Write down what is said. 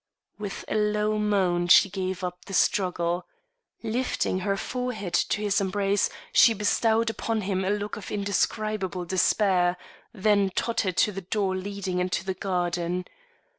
With a low moan she gave up the struggle. Lifting her forehead to his embrace, she bestowed upon him a look of indescribable despair, then tottered to the door leading into the garden.